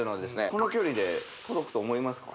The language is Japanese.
この距離で届くと思いますか？